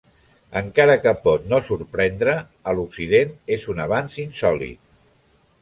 Encara que pot no sorprendre a l'Occident, és un avanç insòlit.